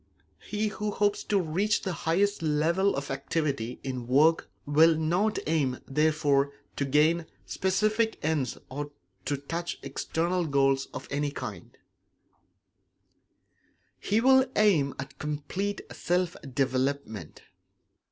He who hopes to reach the highest level of activity in work will not aim, therefore, to gain specific ends or to touch external goals of any kind; he will aim at complete self development.